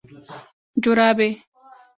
🧦جورابي